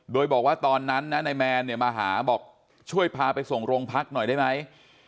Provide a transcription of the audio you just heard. โดยบอกว่าตอนนั้นนะนายแมนเนี่ยมาหาบอกช่วยพาไปส่งโรงพักหน่อยได้ไหม